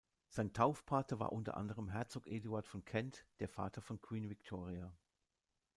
Sein Taufpate war unter anderem Herzog Eduard von Kent, der Vater von Queen Victoria.